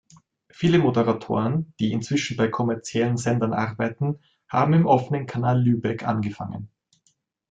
Viele Moderatoren, die inzwischen bei kommerziellen Sendern arbeiten, haben im Offenen Kanal Lübeck angefangen.